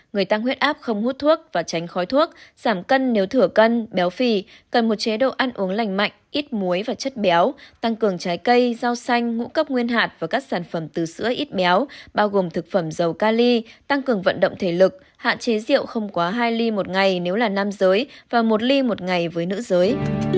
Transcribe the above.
người tăng huyết áp không hút thuốc và tránh khói thuốc giảm cân nếu thửa cân béo phì cần một chế độ ăn uống lành mạnh ít muối và chất béo tăng cường trái cây rau xanh ngũ cấp nguyên hạt và các sản phẩm từ sữa ít béo bao gồm thực phẩm dầu ca ly tăng cường vận động thể lực hạn chế rượu không quá hai ly một ngày nếu là nam giới và một ly một ngày với nữ giới